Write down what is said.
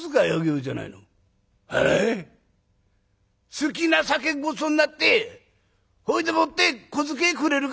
好きな酒ごちそうになってそれでもって小遣えくれるかね？